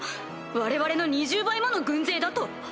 我々の２０倍もの軍勢だと？